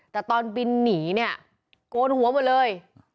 แต่ตอนบินหนีโกนหัวหมดเลย